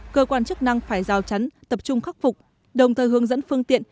cơ quan chức năng phải rào chắn tập trung khắc phục đồng thời hướng dẫn phương tiện